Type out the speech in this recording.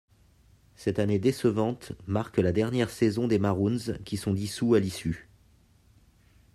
Cette année décevante marque la dernière saison des Maroons qui sont dissous à l'issue.